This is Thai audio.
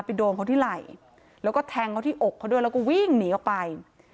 โดนเขาที่ไหล่แล้วก็แทงเขาที่อกเขาด้วยแล้วก็วิ่งหนีออกไป